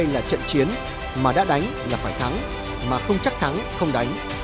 là trận chiến mà đã đánh là phải thắng mà không chắc thắng không đánh